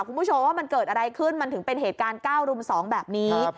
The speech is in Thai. คุณผู้ชมว่ามันเกิดอะไรขึ้นมันถึงเป็นเหตุการณ์๙รุม๒แบบนี้